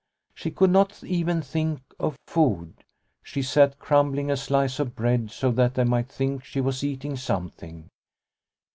She could not even think of food. She sat crumbling a slice of bread, so that they might think she was eating something.